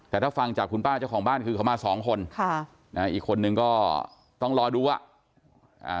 แต่ถ้าฟังจากคุณป้าเจ้าของบ้านคือเขามาสองคนค่ะนะฮะอีกคนนึงก็ต้องรอดูอ่ะอ่า